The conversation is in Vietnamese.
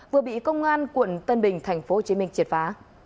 vừa bị công an quận tân bình thành phố hồ chí minh triệt phá